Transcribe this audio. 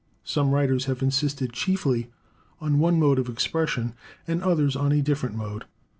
Some writers have insisted chiefly on one mode of expression, and others on a different mode.